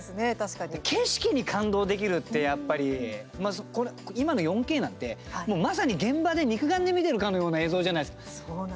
景色に感動できるってやっぱり今の４Ｋなんて、まさに現場で肉眼で見てるかのような映像じゃないですか。